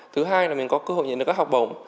thứ hai là mình có cơ hội nhìn được các học bổng